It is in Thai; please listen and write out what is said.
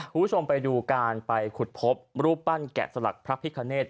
คุณผู้ชมไปดูการไปขุดพบรูปปั้นแกะสลักพระพิคเนต